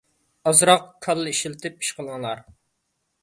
ئازراق كاللا ئىشلىتىپ ئىش قىلىڭلار!